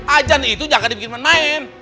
ajan itu jangan dibikin main main